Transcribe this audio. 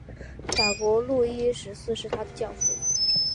法国路易十四是他的教父。